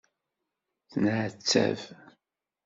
Tenεettab.